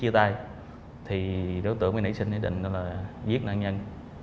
thì đối tượng mới nảy sinh ý định là giết nạn nhân